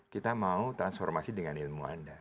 kita mau transformasi dengan ilmu anda